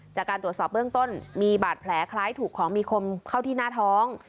จากการตรวจสอบเบื้องต้นมีบาดแผลคล้ายถูกของมีคมเข้าที่หน้าท้อง